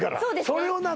それをな